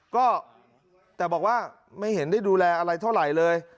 ก็แต่บอกว่าไม่เห็นได้ดูแลอะไรเท่าไหร่เลย